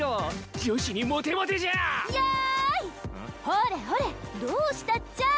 ほれほれどうしたっちゃ！